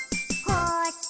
「こっち？」